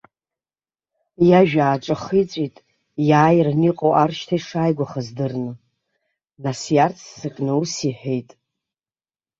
Иажәа ааҿахиҵәеит, иааиран иҟоу ар шьҭа ишааигәахаз дырны, нас иаарццакны ус иҳәеит.